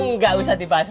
nggak usah dibahas lagi tin